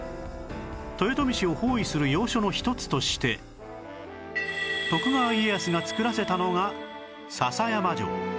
豊臣氏を包囲する要所の一つとして徳川家康が造らせたのが篠山城